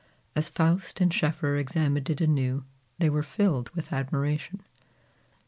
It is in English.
As Faust and Schoeffer examined it anew, they were filled with admiration.